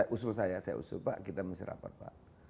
usul saya pak kita masih rapat pak